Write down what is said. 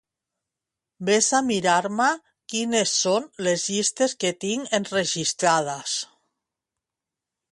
Ves a mirar-me quines són les llistes que tinc enregistrades.